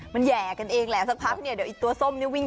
มันแห่กันเองแหละสักครั้ง